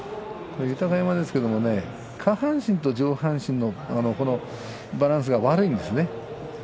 豊山は下半身と上半身のバランスが悪いんですね。